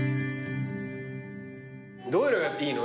どういうのがいいの？